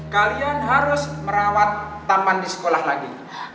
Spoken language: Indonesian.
kalian harus merawat taman di sekolah lagi